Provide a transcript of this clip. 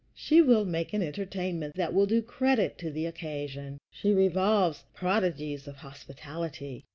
She will make an entertainment that will do credit to the occasion. She revolves prodigies of hospitality.